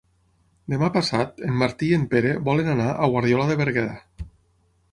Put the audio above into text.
Demà passat en Martí i en Pere volen anar a Guardiola de Berguedà.